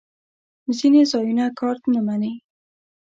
ځینې ځایونه کارت نه منی